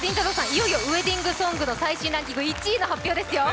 いよいよウエディングソング最新ランキング、１位の発表です。